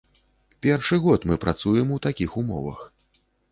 Першы год мы працуем у такіх умовах.